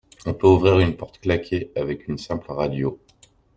On peut ouvrir une porte claquée avec une simple radio.